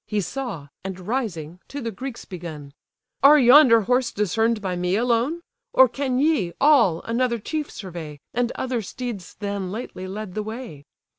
He saw; and rising, to the Greeks begun: "Are yonder horse discern'd by me alone? Or can ye, all, another chief survey, And other steeds than lately led the way?